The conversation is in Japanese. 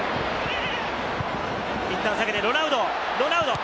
いったん下げてロナウド。